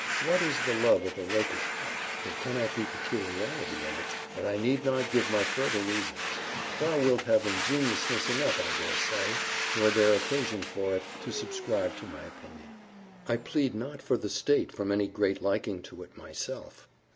What is the love of a rakish heart? There cannot be peculiarity in it. But I need not give my further reasons. Thou wilt have ingenuousness enough, I dare say, were there occasion for it, to subscribe to my opinion. I plead not for the state from any great liking to it myself.